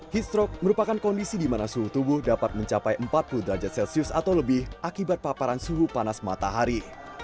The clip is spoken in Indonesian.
heat stroke merupakan kondisi di mana suhu tubuh dapat mencapai empat puluh derajat celcius atau lebih akibat paparan suhu panas matahari